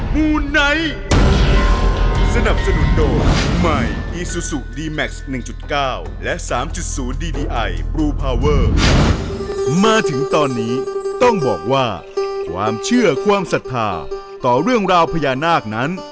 มาถึงตอนนี้ต้องบอกว่าความเชื่อความศรัทธาต่อเรื่องราวพญานาคนั้น